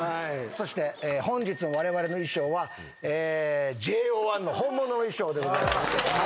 そして本日のわれわれの衣装はＪＯ１の本物の衣装でございます。